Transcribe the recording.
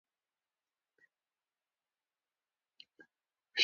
د ژورنال اوسنی سمونګر برینټ هیز اډوارډز دی.